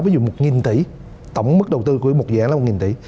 ví dụ một tỷ tổng mức đầu tư của một dạng là một tỷ